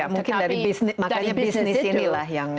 mungkin dari bisnis itu